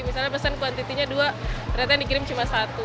misalnya pesan kuantitinya dua ternyata yang dikirim cuma satu